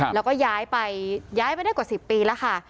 แล้วก็ย้ายไปย้ายไปได้กว่า๑๐ปีแล้วค่ะ